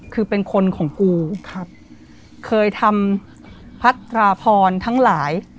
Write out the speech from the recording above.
คือเป็นคนของกูครับเคยทำพัตราพรทั้งหลาย